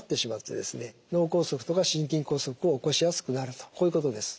脳梗塞とか心筋梗塞を起こしやすくなるとこういうことです。